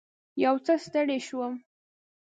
یو څه ستړې شوم.